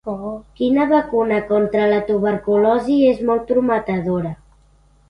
Quina vacuna contra la tuberculosi és molt prometedora?